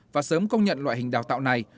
và sớm công nhận loại hình đào tạo này